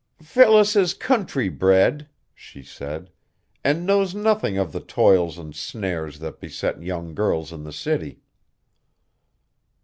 "Phyllis is country bred," she said, "and knows nothing of the toils and snares that beset young girls in the city."